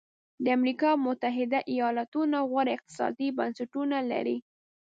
د امریکا متحده ایالتونو غوره اقتصادي بنسټونه لري.